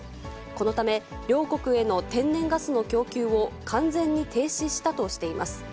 このため、両国への天然ガスの供給を完全に停止したとしています。